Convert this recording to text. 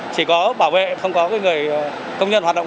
chỉ có bảo vệ không có người công nhân hoạt động